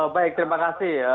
baik terima kasih